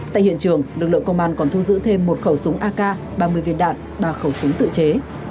tại hiện trường lực lượng công an còn thu giữ thêm một khẩu súng ak ba mươi viên đạn ba khẩu súng tự chế